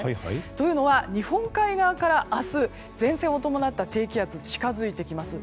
というのは日本海側から明日、前線を伴った低気圧が近づいてきます。